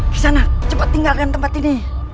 bisa nak cepat tinggalkan tempat ini